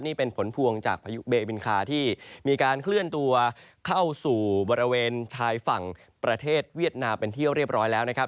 นี่เป็นผลพวงจากพายุเบบินคาที่มีการเคลื่อนตัวเข้าสู่บริเวณชายฝั่งประเทศเวียดนามเป็นที่เรียบร้อยแล้วนะครับ